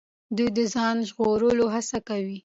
دوی د ځان ژغورلو هڅه کوي.